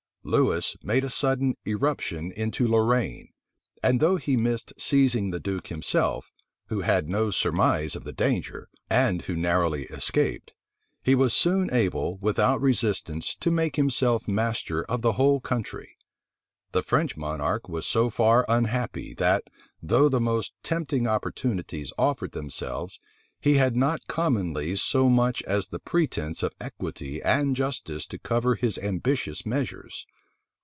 Lewis made a sudden irruption into Lorraine; and though he missed seizing the duke himself, who had no surmise of the danger, and who narrowly escaped, he was soon able, without resistance, to make himself master of the whole country. The French monarch was so far unhappy, that, though the most tempting opportunities offered themselves, he had not commonly so much as the pretence of equity and justice to cover his ambitious measures.